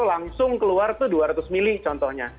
langsung keluar itu dua ratus ml contohnya